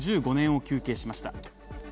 １５年を求刑しました。